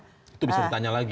itu bisa ditanya lagi